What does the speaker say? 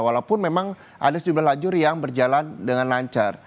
walaupun memang ada sejumlah lajur yang berjalan dengan lancar